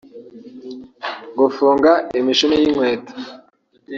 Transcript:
Gufunga imishumi y'inkweto